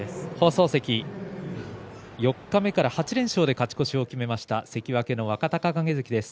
四日目から８連勝で勝ち越しを決めました関脇の若隆景関です。